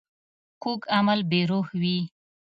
کوږ عمل بې روح وي